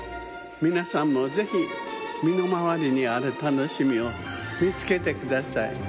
みなさんもぜひみのまわりにあるたのしみをみつけてください。